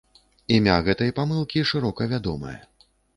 Імя гэта памылкі шырока вядомае.